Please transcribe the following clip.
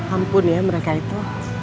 ampun ya mereka itu